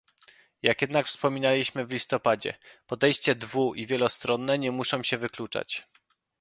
Jak jednak wspominaliśmy w listopadzie, podejście dwu- i wielostronne nie muszą się wykluczać